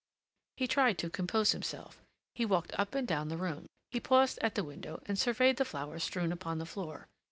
He tried to compose himself. He walked up and down the room; he paused at the window and surveyed the flowers strewn upon the floor.